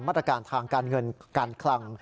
มาตรการทางการเงินการคลัง